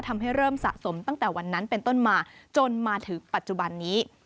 ทำให้เริ่มสะสมตั้งแต่วันนั้นเป็นต้นมาจนมาถึงปัจจุบันนี้